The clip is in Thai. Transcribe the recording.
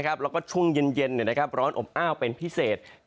แล้วก็ช่วงเย็นร้อนอบอ้าวเป็นพิเศษ